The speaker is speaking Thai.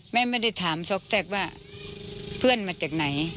ไม่ได้ถามซอกแทรกว่าเพื่อนมาจากไหน